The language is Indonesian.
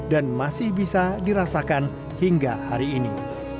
dan masih bisa dirasakan hingga hari ini